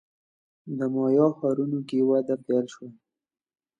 د مایا ښارونو کې وده پیل شوه.